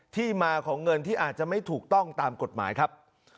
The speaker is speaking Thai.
ที่มาของเงินที่อาจจะไม่ถูกต้องตามกฎหมายครับ